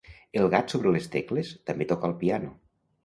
El gat sobre les tecles també toca el piano.